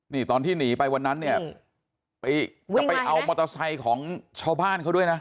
นี่ตอนที่หนีไปวันนั้นเนี่ยไปจะไปเอามอเตอร์ไซค์ของชาวบ้านเขาด้วยนะ